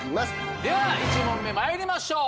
では１問目まいりましょう！